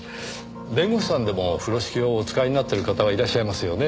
弁護士さんでも風呂敷をお使いになってる方はいらっしゃいますよね？